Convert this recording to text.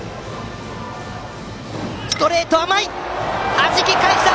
はじきかえした！